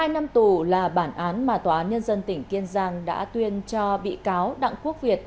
một mươi năm tù là bản án mà tòa án nhân dân tỉnh kiên giang đã tuyên cho bị cáo đặng quốc việt